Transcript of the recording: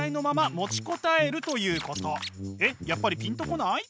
やっぱりピンと来ない？